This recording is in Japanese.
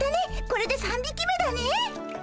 これで３びき目だね。